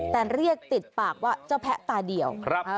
แต่เรียกติดปากว่าเจ้าแพะตาเดียว